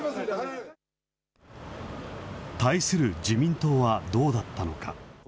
対する自民党はどうだったのか。